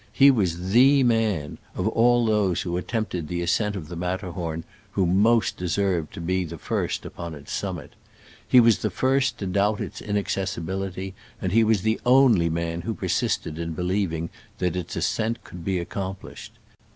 He was the man, "CKOZl CROZ! COMB HEKBI" of all those who attempted the ascent of the Matterhorn, who most deserved to be the first upon its summit. He was I he first to doubt its inaccessibility, and he was the only man who persisted in believing that its ascent would be ac complished.